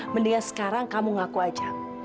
mendingan sekarang kamu ngaku aja